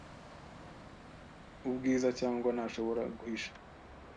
ubwiza cyangwa ntashobora guhisha